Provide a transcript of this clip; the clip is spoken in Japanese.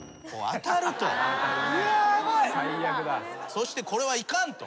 そしてこれはいかんと。